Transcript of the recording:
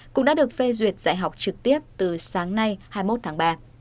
cũng đã được phê duyệt dạy học trực tiếp từ sáng nay hai mươi một tháng ba